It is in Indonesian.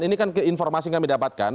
ini kan informasi yang kami dapatkan